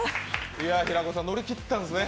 平子さん、乗り切ったんですね。